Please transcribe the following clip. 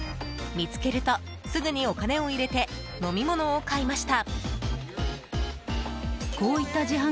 見つけると、すぐにお金を入れて飲み物を買いました。